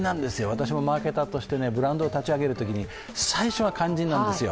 私もマーケターとしてブランドを立ち上げるときに最初が肝心なんですよ。